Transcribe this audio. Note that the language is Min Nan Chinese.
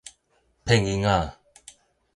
騙囡仔